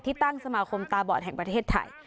ตั้งสมาคมตาบอดแห่งประเทศไทย